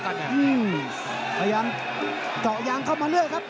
ตามต่อยกที่๓ครับ